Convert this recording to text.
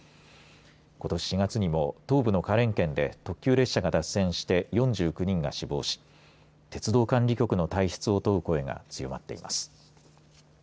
ことし４月にも東部の花蓮県で特急列車が脱線して４９人が死亡し鉄道管理局の体質を問う声が強まっています。